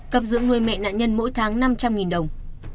cấp dưỡng nuôi mẹ nạn nhân mỗi tháng năm trăm linh đồng